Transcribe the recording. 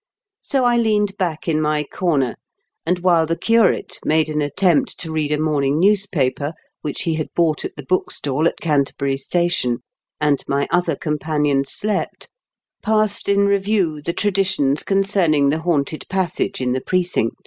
So I leaned back in my corner, and while the curate made an attempt to read a morning newspaper which he had bought at the book stall at Canterbury station, and my other companion slept, passed in review the tradi tions concerning the haunted passage in the Precinct.